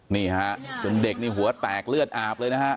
นี่ใช่ถึงเด็กหัวแตกเลือดอาบเลยนะฮะ